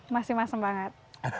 masih masam banget